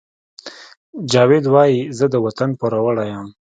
جاوید وایی زه د وطن پوروړی یم